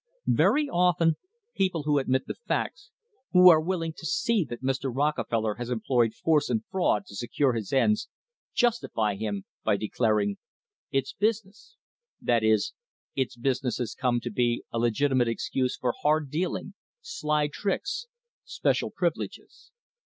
Very often people who admit the facts, who are willing to see that Mr. Rockefeller has employed force and fraud to secure his ends, justify him by declaring, " It's business." That is, "it's business" has to come to be a legitimate excuse for hard dealing, sly tricks, special privileges.